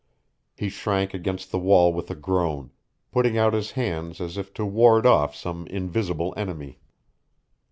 He shrank against the wall with a groan, putting out his hands as if to ward off some invisible enemy.